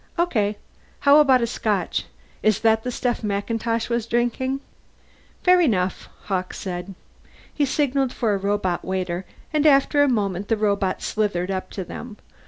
"Okay. How about Scotch is that the stuff MacIntosh was drinking?" "Fair enough," Hawkes said. He signalled for a robot waiter, and after a moment the robot slithered up to them.